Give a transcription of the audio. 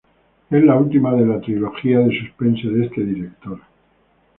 Es la última de la trilogía de suspense de este director.